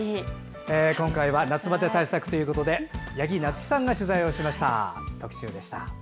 今回は夏バテ対策ということで八木菜月さんが取材をしました。